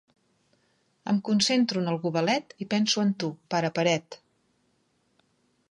Em concentro en el gobelet i penso en tu, pare paret.